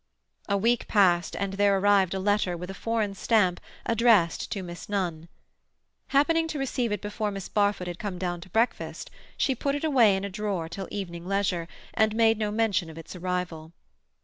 A week passed and there arrived a letter, with a foreign stamp, addressed to Miss Nunn. Happening to receive it before Miss Barfoot had come down to breakfast, she put it away in a drawer till evening leisure, and made no mention of its arrival.